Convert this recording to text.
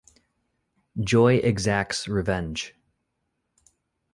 Joy exacts revenge.